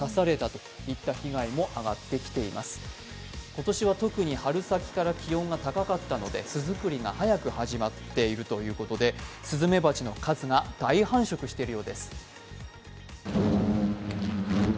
今年は特に春先から気温が高かったので巣作りが早く始まっているということで、スズメバチの数が大繁殖しているようです。